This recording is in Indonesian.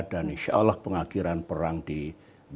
dan insya allah pengakhiran perang di indonesia